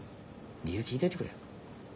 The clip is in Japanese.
理由聞いといてくれよ。